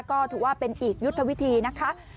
ก็ถือว่าเป็นอีกยุทธวิธีนะคะ